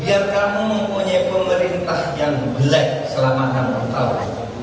biar kamu mempunyai pemerintah yang jelek selama enam puluh tahun